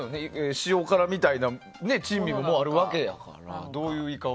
塩辛みたいな珍味もあるわけで。